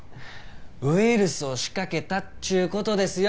ウイルスを仕掛けたっちゅうことですよ！